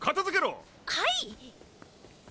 はい！